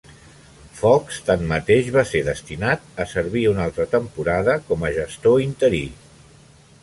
Fox, tanmateix, va ser destinat a servir una altra temporada com a gestor interí.